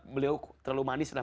beliau terlalu manis lah